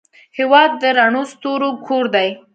هېواد د رڼو ستورو کور دی.